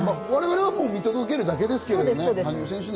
我々は見届けるだけですけどね。